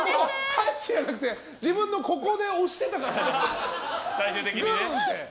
パンチじゃなくて自分のここで押してたからね。